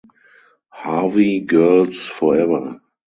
Harvey Girls Forever!